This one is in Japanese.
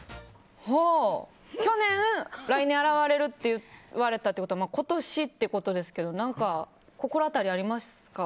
去年、来年現れるって言われたってことは今年ってことですけど何か心当たりありますか